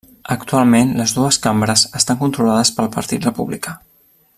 Actualment les dues cambres estan controlades pel Partit Republicà.